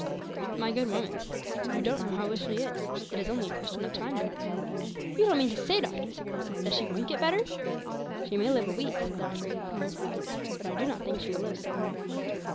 'My good woman,' said the doctor, 'you don't know how ill she is! It is only a question of time now.' 'You don't mean to say, doctor,' said grandmother, 'that she won't get better?' 'She may live a week,' said the doctor, as he put on his hat, 'but I do not think she will live so long.'